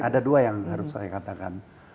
ada dua yang harus saya katakan